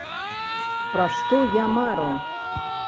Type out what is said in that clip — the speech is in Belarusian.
Пра што я мару?